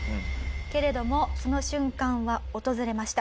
けれどもその瞬間は訪れました。